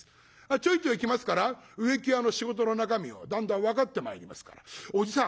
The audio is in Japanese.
ちょいちょい来ますから植木屋の仕事の中身をだんだん分かってまいりますから「おじさん